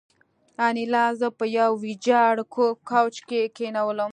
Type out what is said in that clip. انیلا زه په یوه ویجاړ کوچ کې کېنولم